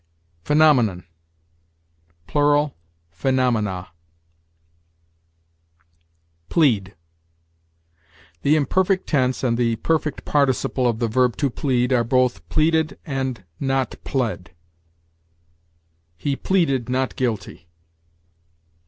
PHENOMENON. Plural, phenomena. PLEAD. The imperfect tense and the perfect participle of the verb to plead are both pleaded and not plead. "He pleaded not guilty."